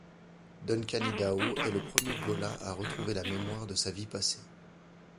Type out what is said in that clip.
Duncan Idaho est le premier ghola à retrouver la mémoire de sa vie passée.